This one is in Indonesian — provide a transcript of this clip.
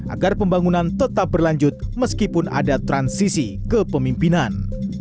agar pembangunan tetap berlanjut meskipun ada transisi ke pemimpinan